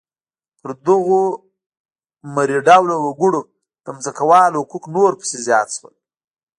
پر دغو مري ډوله وګړو د ځمکوالو حقوق نور پسې زیات شول.